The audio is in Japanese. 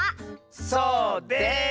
そうです！